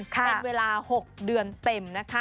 เป็นเวลา๖เดือนเต็มนะคะ